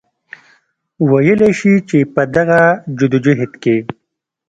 وئيلی شي چې پۀ دغه جدوجهد کې